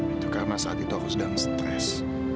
itu karena saat itu aku sedang stres